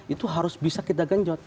itu harus bisa kita genjot